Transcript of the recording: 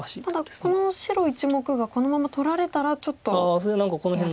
ただこの白１目がこのまま取られたらちょっと嫌ですか。